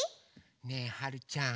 ねえはるちゃん。